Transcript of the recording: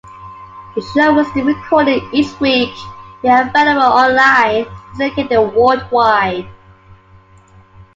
The show was still recorded each week, being available online and syndicated worldwide.